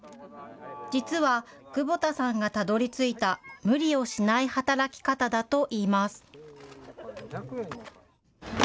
実は、久保田さんがたどりついた無理をしない働き方だといいます。